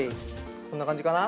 こんな感じかな？